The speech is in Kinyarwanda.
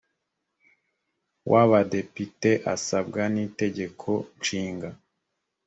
w abadepite asabwa n itegeko nshinga